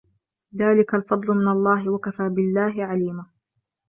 ذلك الفضل من الله وكفى بالله عليما